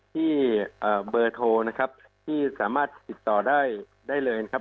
ที่เบอร์โทรนะครับที่สามารถติดต่อได้ได้เลยนะครับ